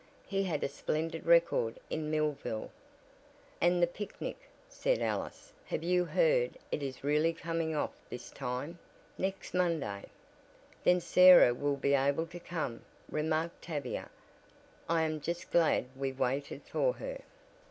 "He had a splendid record in Millville." "And the picnic," said Alice. "Have you heard it is really coming off this time? Next Monday." "Then Sarah will be able to come," remarked Tavia, "I am just glad we waited for her."